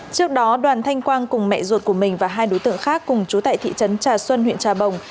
trước đó đoàn thanh quang cùng mẹ ruột của mình và hai đối tượng khác cùng chú tại thị trấn trà xuân huyện trà bồng